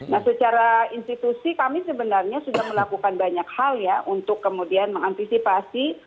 nah secara institusi kami sebenarnya sudah melakukan banyak hal ya untuk kemudian mengantisipasi